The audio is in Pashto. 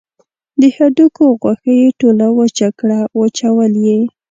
د هډوکو غوښه یې ټوله وچه کړه وچول یې.